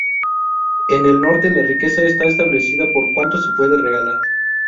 En el norte, la riqueza está establecida por cuánto se puede regalar.